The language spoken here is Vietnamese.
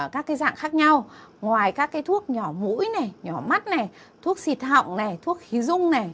các cái dạng khác nhau ngoài các cái thuốc nhỏ mũi này nhỏ mắt này thuốc xịt họng này thuốc khí dung này